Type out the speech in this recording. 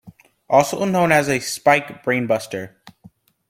Also known as a spike brainbuster.